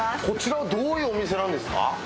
こちらはどういうお店なんですか？